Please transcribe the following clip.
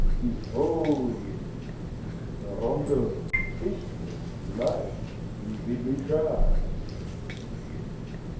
Behold! the rondeau, tasteful, light, You bid me try!